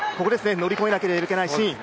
乗り越えなければいけないシーン。